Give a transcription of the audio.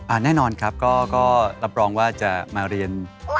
แน่นอนครับก็รับรองว่าจะมาเรียน